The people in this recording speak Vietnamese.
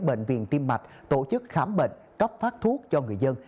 bệnh viện tim mạch tổ chức khám bệnh cấp phát thuốc cho người dân